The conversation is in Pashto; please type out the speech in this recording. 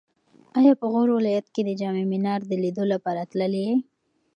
ایا په غور ولایت کې د جام منار د لیدو لپاره تللی یې؟